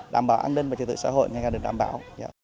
đảm bảo an ninh và trực tự xã hội ngay cả được đảm bảo